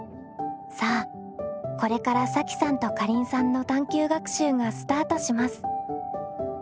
さあこれからさきさんとかりんさんの探究学習がスタートします。